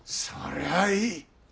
それはいい。